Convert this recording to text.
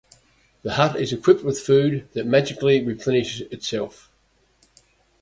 The hut is equipped with food that magically replenishes itself.